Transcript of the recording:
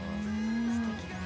素敵だね。